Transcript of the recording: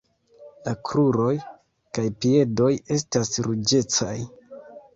La kruroj kaj piedoj estas ruĝecaj.